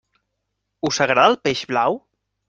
Us agrada el peix blau?